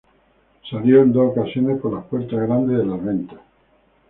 Salió en dos ocasiones por la puerta grande de Las Ventas.